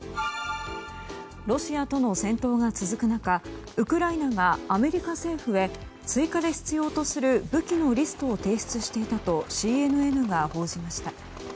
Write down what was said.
ロシアとの戦闘が続く中ウクライナがアメリカ政府へ追加で必要とする武器のリストを提出していたとＣＮＮが報じました。